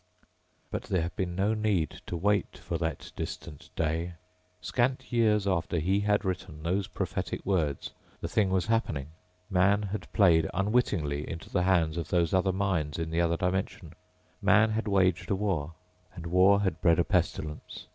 _ But there had been no need to wait for that distant day. Scant years after he had written those prophetic words the thing was happening. Man had played unwittingly into the hands of those other minds in the other dimension. Man had waged a war and war had bred a pestilence.